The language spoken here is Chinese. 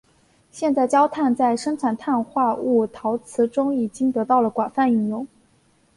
现在焦炭在生产碳化物陶瓷中已经得到了广泛的应用。